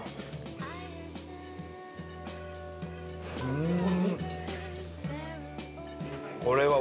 うん！